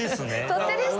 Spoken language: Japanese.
取っ手でしたね。